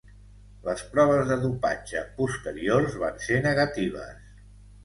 Les proves de dopatge posteriors van ser negatives.